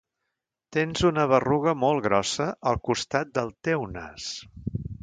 Tens una berruga molt grossa al costat del teu nas.